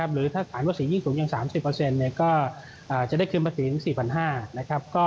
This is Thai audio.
หรือถ้าฐานประสียิ่งสูงอย่าง๓๐ก็จะได้คืนประสีทั้ง๔๕๐๐